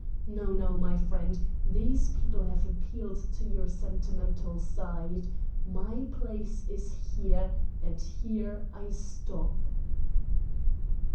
No, no, my friend; these people have appealed to your sentimental side. My place is here, and here I stop."